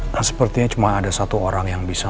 nah sepertinya cuma ada satu orang yang bisa